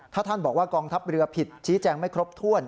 ถ้าท่านบอกว่ากองทัพเรือผิดชี้แจงไม่ครบถ้วน